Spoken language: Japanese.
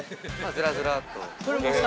◆ずらずらっと。